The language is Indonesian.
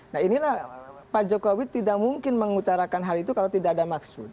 nah inilah pak jokowi tidak mungkin mengutarakan hal itu kalau tidak ada maksud